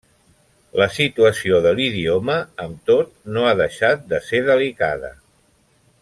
La situació de l'idioma, amb tot, no ha deixat de ser delicada.